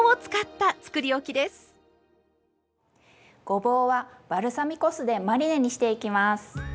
ごぼうはバルサミコ酢でマリネにしていきます。